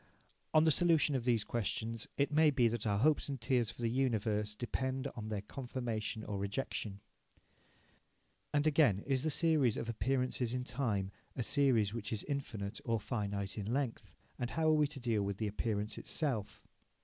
On the solution of these questions it may be that our hopes and fears for the universe depend for their confirmation or rejection. And, again, is the series of appearances in time a series which is infinite or finite in length? And how are we to deal with the appearance itself?